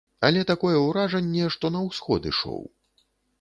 Але такое ўражанне, што на ўсход ішоў.